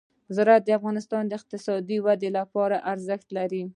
زراعت د افغانستان د اقتصادي ودې لپاره ارزښت لري.